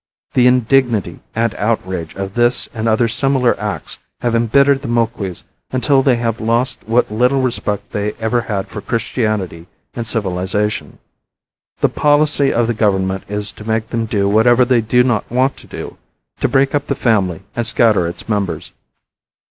The indignity and outrage of this and other similar acts have embittered the Moquis until they have lost what little respect they ever had for Christianity and civilization. The policy of the government is to make them do whatever they do not want to do, to break up the family and scatter its members.